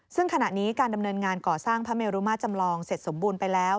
ซึ่งขณะนี้การดำเนินงานก่อสร้างพระเมรุมาจำลองเสร็จสมบูรณ์ไปแล้ว